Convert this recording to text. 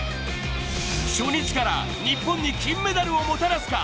初日から日本に金メダルをもたらすか。